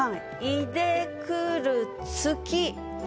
「出でくる月」。